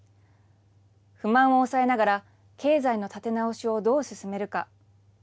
不満を抑えながら、経済の立て直しをどう進めるか。